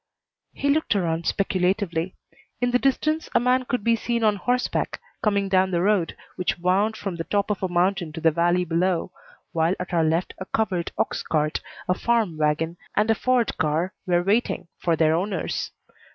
He looked around speculatively. In the distance a man could be seen on horseback coming down the road which wound from the top of a mountain to the valley below, while at our left a covered ox cart, a farm wagon, and a Ford car were waiting for their owners.